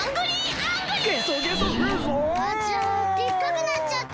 あちゃでっかくなっちゃった！